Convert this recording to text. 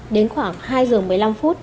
đến khoảng hai giờ một mươi năm phút